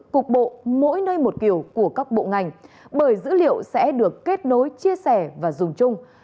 cục bộ mỗi nơi một kiểu của các bộ ngành bởi dữ liệu sẽ được kết nối chia sẻ và dùng chung